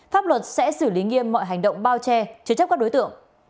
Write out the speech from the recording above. pháp luật sẽ xử lý nghiêm mọi hành động bao che chứa chấp các đối tượng